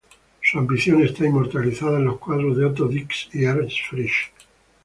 Su ambiente está inmortalizado en los cuadros de Otto Dix y Ernst Fritsch.